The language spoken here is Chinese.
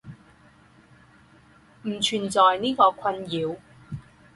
不存在这个困扰。